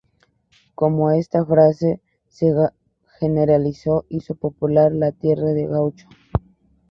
Como esta frase se generalizó hizo popular “la tierra de Guacho.